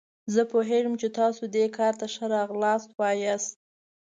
زه پوهیږم چې تاسو دې کار ته ښه راغلاست وایاست.